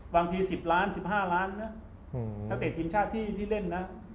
๑๐ล้าน๑๕ล้านนะนักเตะทีมชาติที่เล่นนะ